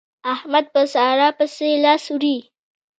احمد په سارا پسې لاس وړي.